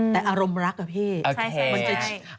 แต่อารมณ์รักเหรอพี่มันจะใช่